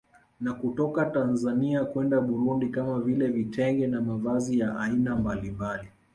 Na kutoka Tanzania kwenda Burundi kama vile Vitenge na mavazi ya aina mbalimbali